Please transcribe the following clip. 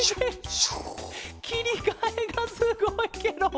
きりかえがすごいケロ。